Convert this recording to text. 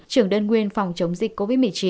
trưởng đơn nguyên phòng chống dịch covid một mươi chín